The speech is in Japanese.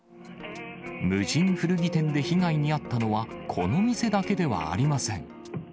無人古着店で被害に遭ったのは、この店だけではありません。